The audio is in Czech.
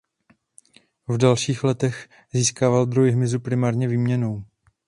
V dalších letech získával druhy hmyzu primárně výměnou.